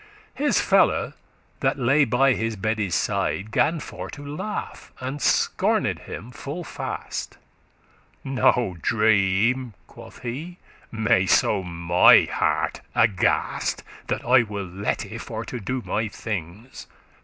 His fellow, that lay by his bedde's side, Gan for to laugh, and scorned him full fast. 'No dream,' quoth he,'may so my heart aghast,* *frighten That I will lette* for to do my things.